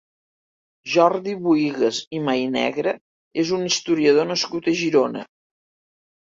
Jordi Bohigas i Maynegre és un historiador nascut a Girona.